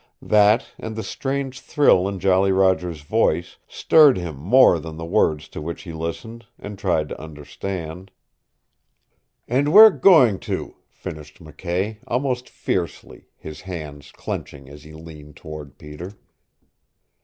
That, and the strange thrill in Jolly Roger's voice, stirred him more than the words to which he listened, and tried to understand. "And we're GOING to," finished McKay, almost fiercely, his hands clenching as he leaned toward Peter.